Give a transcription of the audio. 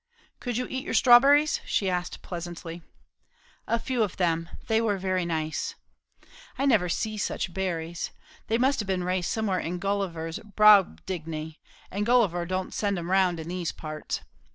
"Could you eat your strawberries?" she asked presently. "A few of them. They were very nice." "I never see such berries. They must have been raised somewhere in Gulliver's Brobdignay; and Gulliver don't send 'em round in these parts.